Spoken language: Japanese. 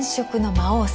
魔王様？